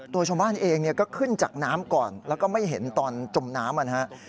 ตัวชาวบ้านเองก็ขึ้นจากน้ำก่อนแล้วก็ไม่เห็นตอนจมน้ำนะครับ